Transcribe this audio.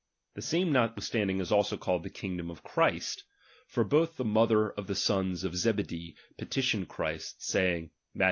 The same notwithstanding is also called the kingdom of Christ : for both the mother of the sons of Zebedee petitioned Christ, saying (Matth.